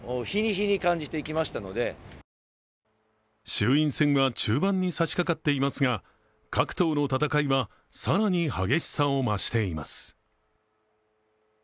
衆院選は中盤にさしかかっていますが各党の戦いは更に激しさを増しています。